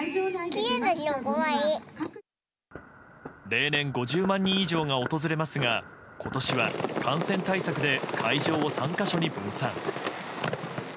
例年５０万人以上が訪れますが今年は、感染対策で会場を３か所に分散。